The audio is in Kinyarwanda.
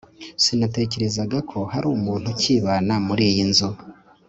sinatekerezaga ko hari umuntu ukibana muriyi nzu